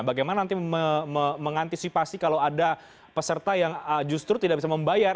bagaimana nanti mengantisipasi kalau ada peserta yang justru tidak bisa membayar